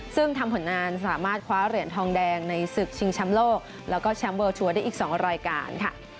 ซึ่งทำผลงานสามารถคว้าเหรียญทองแดงในศึกชิงช้ำโลกและช้ำเวิลชัวร์ได้อีก๒รายการ